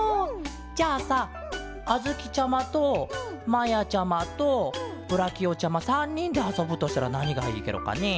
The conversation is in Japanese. じゃあさあづきちゃまとまやちゃまとブラキオちゃま３にんであそぶとしたらなにがいいケロかね？